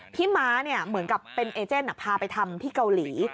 ม้าเหมือนกับเป็นเอเจนพาไปทำที่เกาหลี